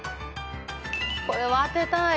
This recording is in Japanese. これは当てたい。